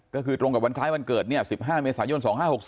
ก็คือตรงกับวันคล้ายวันเกิด๑๕เมษายน๒๕๖๒